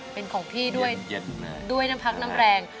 เป็นของพี่ด้วยด้วยน้ำพักน้ำแรง